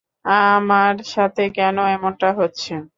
আমার সাথেই কেন এমনটা হচ্ছে।